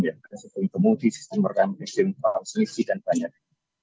ada sistem kemudi sistem rem sistem palsu dan banyak lagi